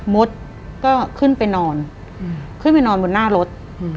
มดก็ขึ้นไปนอนขึ้นไปนอนบนหน้ารถ